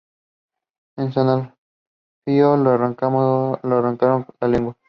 A San Alfio le arrancaron la lengua.